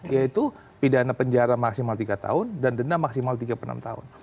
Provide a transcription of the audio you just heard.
yaitu pidana penjara maksimal tiga tahun dan denda maksimal tiga puluh enam tahun